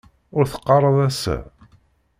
Ur teqqareḍ ass-a?